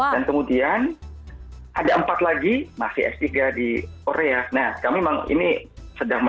dan kemudian ada empat lagi masih s tiga di korea nah kami punya empat lagi